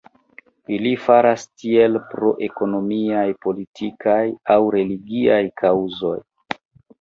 Ili faras tiel pro ekonomiaj, politikaj aŭ religiaj kaŭzoj.